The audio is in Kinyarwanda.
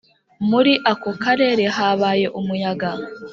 muri ako karere habaye umuyaga.